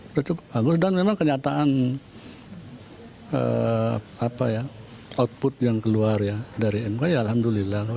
sudah cukup bagus dan memang kenyataan output yang keluar ya dari mk ya alhamdulillah